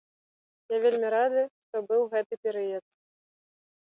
Я вельмі рады, што быў гэты перыяд.